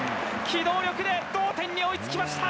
機動力で同点に追いつきました。